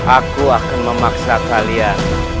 aku akan memaksa kalian